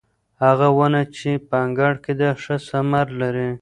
هغه ونه چې په انګړ کې ده ښه ثمر لري.